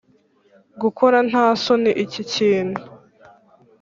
gukora nta soni iki kintu.